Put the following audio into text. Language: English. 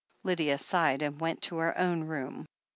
Lydia sighed, and went to her own room.